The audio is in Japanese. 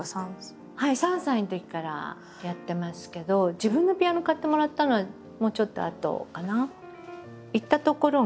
はい３歳のときからやってますけど自分のピアノを買ってもらったのはもうちょっとあとかな。